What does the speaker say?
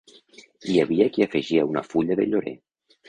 Hi havia qui afegia una fulla de llorer.